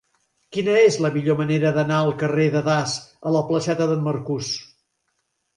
Quina és la millor manera d'anar del carrer de Das a la placeta d'en Marcús?